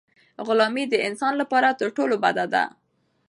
غلامي د انسان لپاره تر ټولو بده ده.